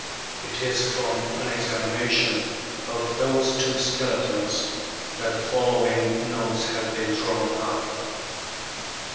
It is from an examination of those two skeletons that the following notes have been drawn up.